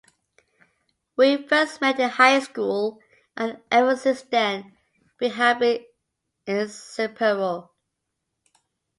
We first met in high school, and ever since then, we have been inseparable.